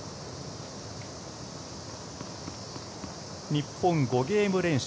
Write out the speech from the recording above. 日本、５ゲーム連取。